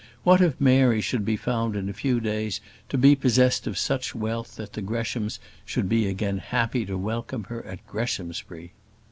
What if Mary should be found in a few days to be possessed of such wealth that the Greshams should be again happy to welcome her at Greshamsbury!